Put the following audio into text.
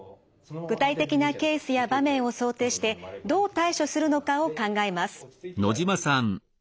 具体的なケースや場面を想定してどう対処するのかを考えます。